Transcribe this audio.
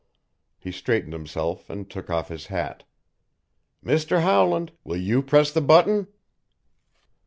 He straightened himself and took off his hat. "Mr. Howland, will you press the button?"